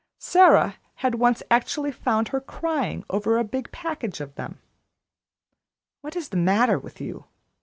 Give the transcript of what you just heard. Sara had once actually found her crying over a big package of them. "What is the matter with you?"